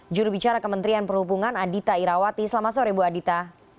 jurubicara kementerian perhubungan adita irawati selamat sore bu adita